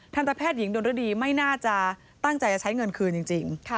ตแพทย์หญิงดนรดีไม่น่าจะตั้งใจจะใช้เงินคืนจริง